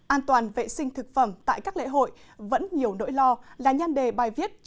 an toàn vệ sinh thực phẩm tại các lễ hội vẫn nhiều nỗi lo là nhan đề bài viết